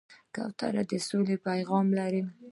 کوتره د سولې پیغام لري.